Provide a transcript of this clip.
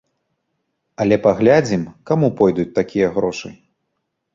Але паглядзім, каму пойдуць такія грошы.